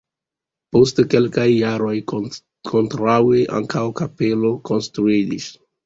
Post kelkaj jaroj kontraŭe ankaŭ kapelo konstruiĝis.